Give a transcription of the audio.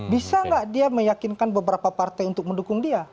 bisa nggak dia meyakinkan beberapa partai untuk mendukung dia